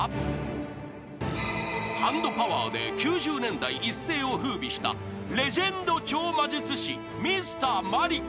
［ハンドパワーで９０年代一世を風靡したレジェンド超魔術師Ｍｒ．マリック］